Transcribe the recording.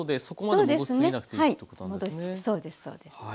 そうですそうです。